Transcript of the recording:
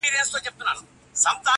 که مي هر څه په غپا یوسي خوبونه -